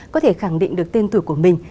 có thể khẳng định được tên tuổi của mình